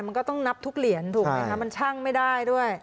มันก็ต้องนับทุกเหรียญถูกไหมคะมันช่างไม่ได้ด้วย